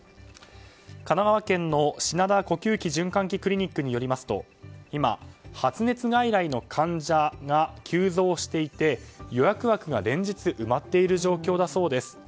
神奈川県のしなだ呼吸器循環器クリニックによりますと今、発熱外来の患者が急増していて予約枠が連日埋まっている状況だそうです。